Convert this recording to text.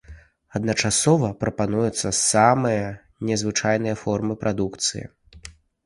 Адначасова прапануюцца самыя незвычайныя формы прадукцыі.